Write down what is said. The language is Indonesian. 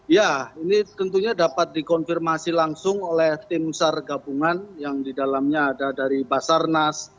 ya ini tentunya dapat dikonfirmasi langsung oleh tim sar gabungan yang didalamnya ada dari basarnas